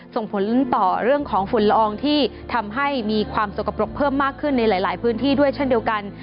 ส่งผลต่อเรื่องของฝุ่นละอองที่ทำให้มีความสกปรกเพิ่มมากขึ้นในหลายพื้นที่ด้วยเช่นเดียวกัน